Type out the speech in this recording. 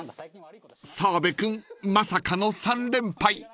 ［澤部君まさかの３連敗